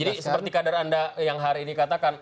jadi seperti kader anda yang hari ini katakan